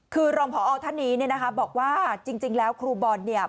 คือรองพอท่านนี้เนี่ยนะคะบอกว่าจริงแล้วครูบอลเนี่ย